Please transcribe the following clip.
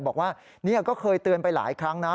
บอกว่านี่ก็เคยเตือนไปหลายครั้งนะ